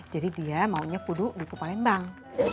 jadi dia maunya puduk duku palembang